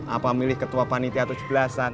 apa milih ketua panita tujuh belasan